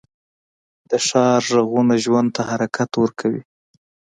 د ښار غږونه ژوند ته حرکت ورکوي